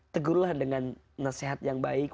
tegurlah dengan nasihat yang baik